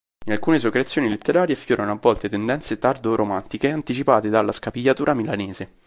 In alcune sue creazioni letterarie affiorano a volte tendenze tardo-romantiche anticipate dalla Scapigliatura milanese.